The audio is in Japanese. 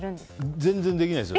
全然できないですよ。